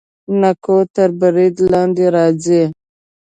نکو تر برید لاندې راځي.